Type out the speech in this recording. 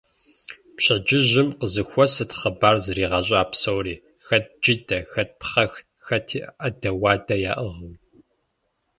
Пщэдджыжьым къызэхуэсырт хъыбар зригъэщӀа псори, хэт джыдэ, хэт пхъэх, хэти Ӏэдэ-уадэ яӀыгъыу.